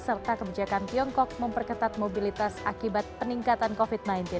serta kebijakan tiongkok memperketat mobilitas akibat peningkatan covid sembilan belas